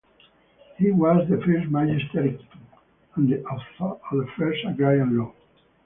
He was the first "magister equitum", and the author of the first agrarian law.